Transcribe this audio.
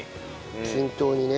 均等にね。